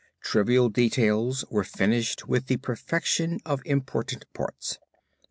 Trivial details were finished with the perfection of important parts.